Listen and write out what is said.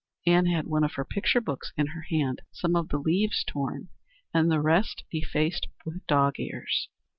Ann had one of her picture books in her hand, some of the leaves torn, and the rest defaced with dog's ears.